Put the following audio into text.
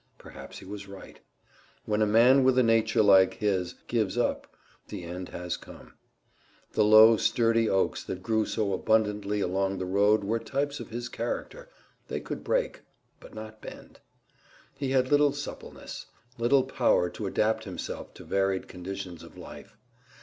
Perhaps he was right. When a man with a nature like his "gives up," the end has come. The low, sturdy oaks that grew so abundantly along the road were types of his character they could break, but not bend. He had little suppleness, little power to adapt himself to varied conditions of life.